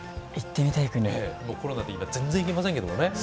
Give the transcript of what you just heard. コロナで全然行けませんけどね。